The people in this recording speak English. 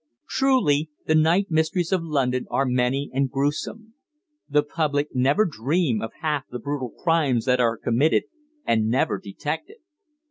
Truly the night mysteries of London are many and gruesome. The public never dream of half the brutal crimes that are committed and never detected.